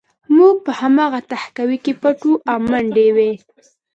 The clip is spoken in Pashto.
موږ په هماغه تهکوي کې پټ وو او منډې وې